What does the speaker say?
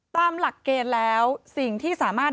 ตามหลักเกณฑ์แล้วสิ่งที่สามารถ